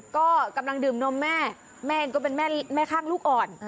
ก็กำลังดื่มนมแม่แม่เองก็เป็นแม่ข้างลูกอ่อน